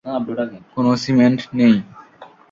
কোনো সিমেন্ট নেই?